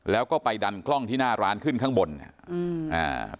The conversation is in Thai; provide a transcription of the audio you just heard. แล้วก็ไปดันกล้องที่หน้าร้านขึ้นข้างบนเนี่ยอืมอ่า